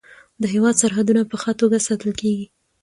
د هیواد سرحدونه په ښه توګه ساتل کیږي.